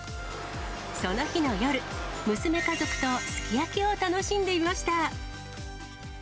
その日の夜、娘家族とすき焼きを楽しんでいました。